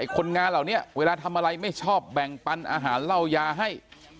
คนงานเหล่านี้เวลาทำอะไรไม่ชอบแบ่งปันอาหารเหล้ายาให้